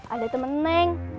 ada temen neng